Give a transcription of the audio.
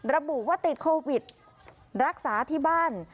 ระบุว่าติดโควิดรักษาที่บ้าน